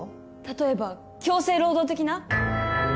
例えば強制労働的な。